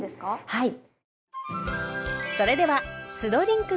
はい。